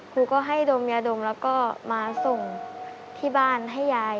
ครูก็ให้ดมยาดมแล้วก็มาส่งที่บ้านให้ยาย